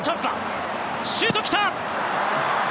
シュートきた！